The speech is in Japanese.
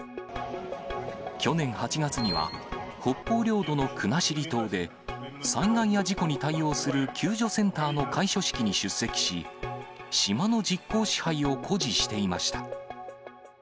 去年８月には、北方領土の国後島で、災害や事故に対応する救助センターの開所式に出席し、島の実効支配を誇示していました。